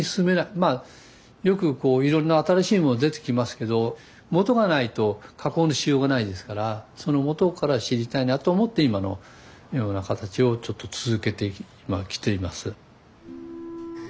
まあよくこういろんな新しいもの出てきますけど元がないと加工のしようがないですからその元から知りたいなと思って今のような形をちょっと続けてきています。